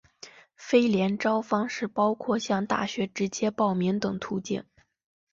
非联招方式包括向大学直接报名等途径。